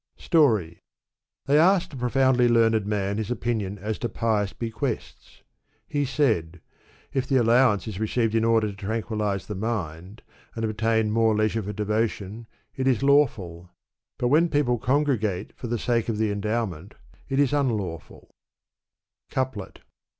Story. They asked a profoundly learned man his opinion as to pious bequests. He said, " If the allowance is received in order to tranquillize the mind, and obtain more leisure for devotion, it is lawful ; but when peo ple congregate for the sake of the endowment, it is unlawful" Couplet.